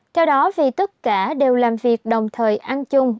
theo đó vì tất cả đều làm việc đồng thời ăn chung